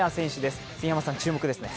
杉山さん、注目ですね。